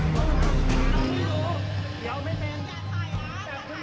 โปรดติดตามต่อไป